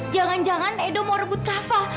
jangan jangan edo mau rebut kak fah